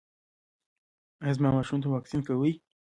ایا زما ماشوم ته واکسین کوئ؟